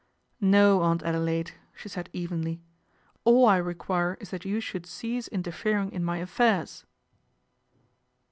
" No, Aunt Adelaide," she said evenly. " All I require is that you should cease interfering in my affairs."